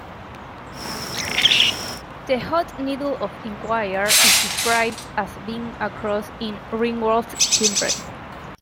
The "Hot Needle of Inquiry" is described as being across in "Ringworld's Children".